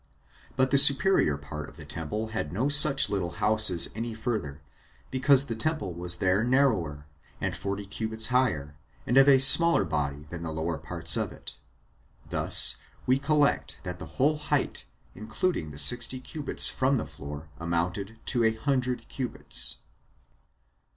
But the superior part of the temple had no such little houses any further, because the temple was there narrower, and forty cubits higher, and of a smaller body than the lower parts of it. Thus we collect that the whole height, including the sixty cubits from the floor, amounted to a hundred cubits.